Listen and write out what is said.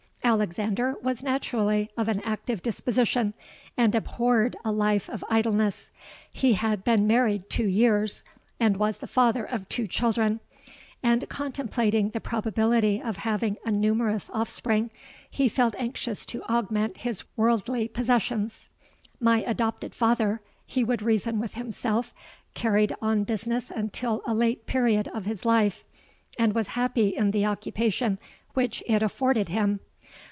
"Alexander was naturally of an active disposition, and abhorred a life of idleness. He had been married two years, and was the father of two children; and contemplating the probability of having a numerous offspring, he felt anxious to augment his worldly possessions. 'My adopted father,' he would reason with himself, 'carried on business until a late period of his life, and was happy in the occupation which it afforded him.